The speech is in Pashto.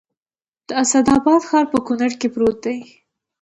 د اسداباد ښار په کونړ کې پروت دی